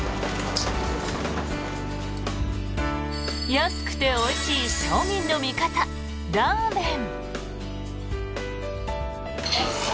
安くておいしい庶民の味方ラーメン。